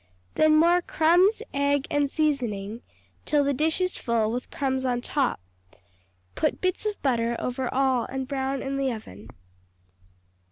Then more crumbs, egg, and seasoning, till the dish is full, with crumbs on top. Put bits of butter over all and brown in the oven.